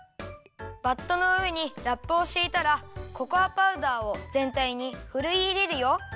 バットのうえにラップをしいたらココアパウダーをぜんたいにふるいいれるよ。